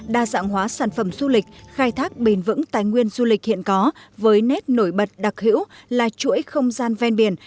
đa dạng hóa sản phẩm du lịch khai thác bền vững tài nguyên du lịch hiện có với nét nổi bật đặc hữu là chuỗi không gian ven biển